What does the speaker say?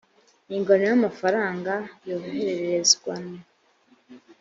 ingano y amafaranga yohererezanwa